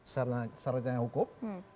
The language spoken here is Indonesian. saran saran yang hukum